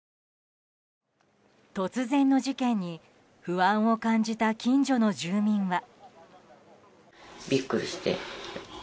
突然の事件に不安を感じた近所の住民は。